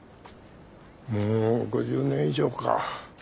もう５０年以上か。